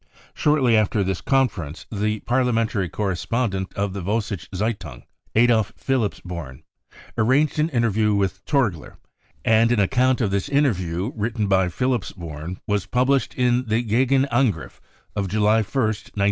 Shortly after this conference the parliamentary correspondent of the Vossische % eitung , Adolf Philippsborn, arranged an inter view witfy, Torgler, and an account of this interview, written by Philippsborn, was published in the Gegen Angrijf of July £st, 1933.